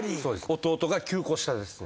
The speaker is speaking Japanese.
弟が９個下ですね。